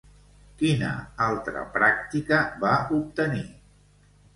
Quina altra pràctica va obtenir?